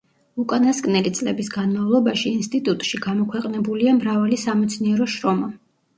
უკანასკნელი წლების განმავლობაში ინსტიტუტში გამოქვეყნებულია მრავალი სამეცნიერო შრომა.